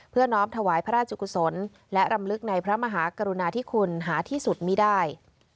น้อมถวายพระราชกุศลและรำลึกในพระมหากรุณาธิคุณหาที่สุดมีได้